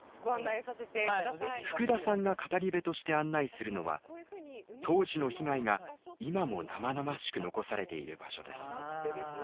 福田さんが語り部として案内するのは当時の被害が今も生々しく残されている場所です。